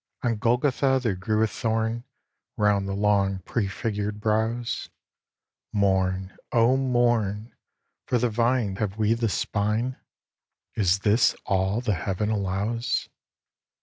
On Golgotha there grew a thorn Round the long prefigured Brows. Mourn, O mourn! For the vine have we the spine? Is this all the Heaven allows?